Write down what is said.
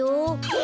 え！